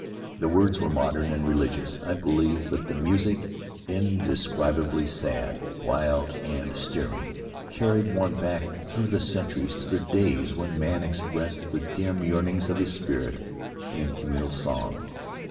The words were modern and religious, I believe, but the music — indescribably sad, wild, and stirring — carried one back through the centuries to the days when man expressed the dim yearnings of his spirit in communal song.